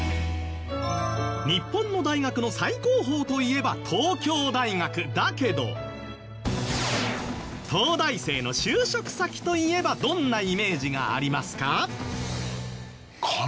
日本の大学の最高峰といえば東京大学だけど東大生の就職先といえばどんなイメージがありますか？